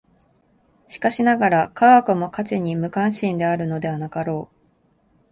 しかしながら、科学も価値に無関心であるのではなかろう。